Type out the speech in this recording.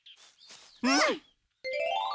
うん。